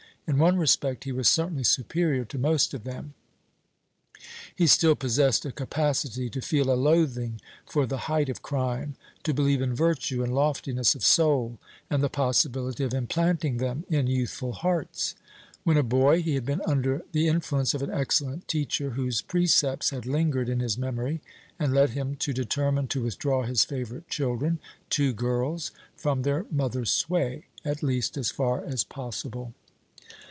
In one respect he was certainly superior to most of them he still possessed a capacity to feel a loathing for the height of crime, to believe in virtue and loftiness of soul, and the possibility of implanting them in youthful hearts. When a boy, he had been under the influence of an excellent teacher, whose precepts had lingered in his memory and led him to determine to withdraw his favourite children two girls from their mother's sway, at least as far as possible.